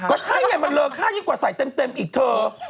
ก็ใช่เนี่ยมันเลยเลข้างยังกว่าใส่เต็มอีกเธอ